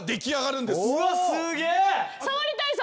うわっすげえ！